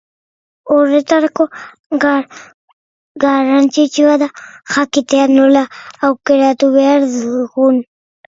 Horretarako garrantzitsua da jakitea nola aukeratu behar dugun.